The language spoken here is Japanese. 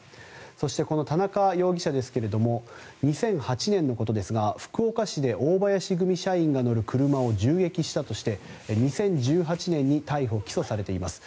そして、この田中容疑者ですが２００８年のことですが福岡市で大林組の社員が乗る車を銃撃したとして２０１８年に逮捕・起訴されています。